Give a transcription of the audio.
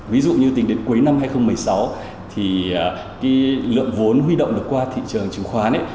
ví dụ như tính đến cuối năm hai nghìn một mươi sáu thì lượng vốn huy động được qua thị trường chứng khoán